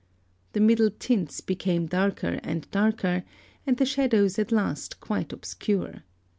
The middle tints became darker and darker, and the shadows at last quite obscure.